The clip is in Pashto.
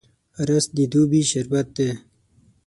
رس د دوبي شربت دی